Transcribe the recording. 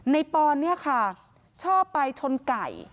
ปอนเนี่ยค่ะชอบไปชนไก่